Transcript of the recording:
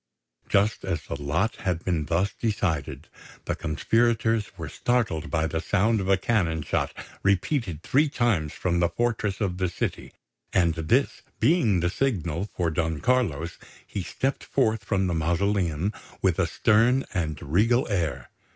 Just as the lot had been thus decided, the conspirators were startled by the sound of a cannon shot repeated three times from the fortress of the city; and this being the signal for Don Carlos, he stepped forth from the mausoleum with a stern and regal air.